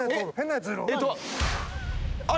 あれ？